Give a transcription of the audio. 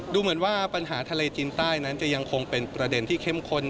ดูเหมือนว่าปัญหาทะเลจีนใต้นั้นจะยังคงเป็นประเด็นที่เข้มข้น